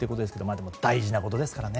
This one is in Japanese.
でも大事なことですからね。